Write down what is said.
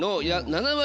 ７割？